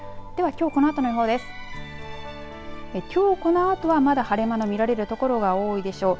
きょうこのあとはまだ晴れ間の見られる所が多いでしょう。